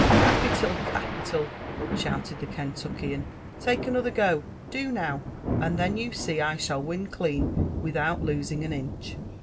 ''Capilal! oapilall" shouied ttie Kenluckian; '< take another go •^mIo . iiow«^and then you see I shall win clean without losing an inch."